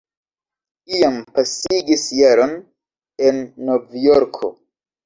Iam pasigis jaron en Novjorko.